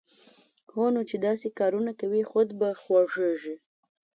هونو چې داسې کارونه کوی، خود به خوږېږې